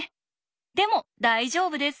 でも大丈夫です。